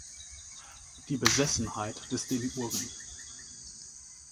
Die Besessenheit des Demiurgen.